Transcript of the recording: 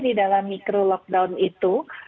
di dalam mikro lockdown itu